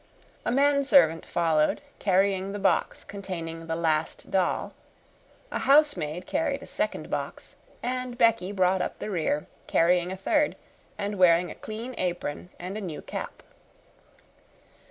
A manservant followed, carrying the box containing the Last Doll, a housemaid carried a second box, and Becky brought up the rear, carrying a third and wearing a clean apron and a new cap.